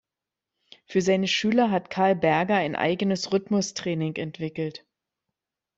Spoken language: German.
Für seine Schüler hat Karl Berger ein eigenes Rhythmus-Training entwickelt.